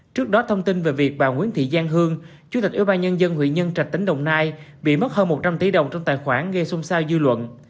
trước đó thông tin về việc bà nguyễn thị giang hương chủ tịch ủy ban nhân dân huy nhân trạch tỉnh đồng nai bị mất hơn một trăm linh tỷ đồng trong tài khoản gây xung sao dư luận